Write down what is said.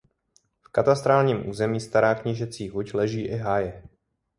V katastrálním území Stará Knížecí Huť leží i Háje.